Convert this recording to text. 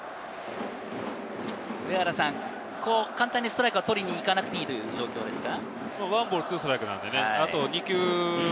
簡単にストライクは取りに行かなくていいという状況ですか？